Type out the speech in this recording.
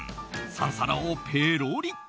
３皿をぺロリ。